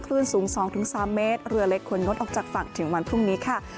คลื่นสูง๒๓เมตรเรือเล็กควรงดออกจากฝั่งถึงวันพรุ่งนี้ค่ะ